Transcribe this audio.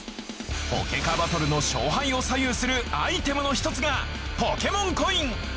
ポケカバトルの勝敗を左右するアイテムの１つがポケモンコイン！